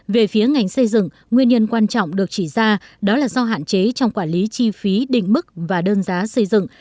về phía ngành xây dựng nguyên nhân quan trọng được chỉ ra đó là do hạn chế trong quản lý chi phí định mức và đơn giá xây dựng